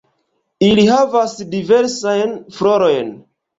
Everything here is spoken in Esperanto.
Ili havas diversajn florojn.